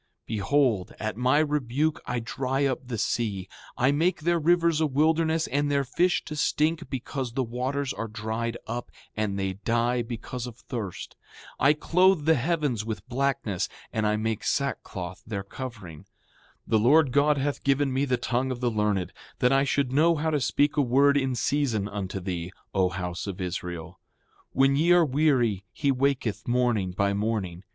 Behold, at my rebuke I dry up the sea, I make their rivers a wilderness and their fish to stink because the waters are dried up, and they die because of thirst. 7:3 I clothe the heavens with blackness, and I make sackcloth their covering. 7:4 The Lord God hath given me the tongue of the learned, that I should know how to speak a word in season unto thee, O house of Israel. When ye are weary he waketh morning by morning.